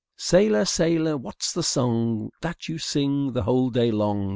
"Sailor, sailor, What's the song That you sing The whole day long?"